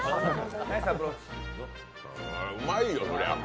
うまいよ、そりゃ。